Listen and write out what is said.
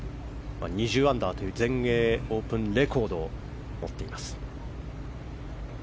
２０アンダーという全英オープンレコードを持っています。